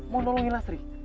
mau nolongin lah sri